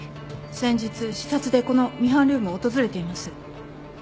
先日視察でこのミハンルームを訪れています。